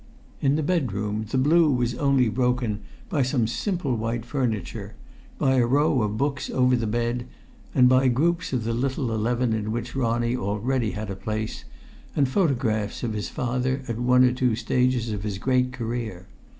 In the bedroom the blue was only broken by some simple white furniture, by a row of books over the bed, and by groups of the little eleven in which Ronnie already had a place, and photographs of his father at one or two stages of his great career.